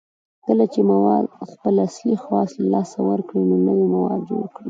کله چې مواد خپل اصلي خواص له لاسه ورکړي او نوي مواد جوړ کړي